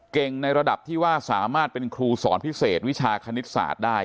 ในระดับที่ว่าสามารถเป็นครูสอนพิเศษวิชาคณิตศาสตร์ได้